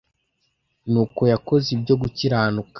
n uko yakoze ibyo gukiranuka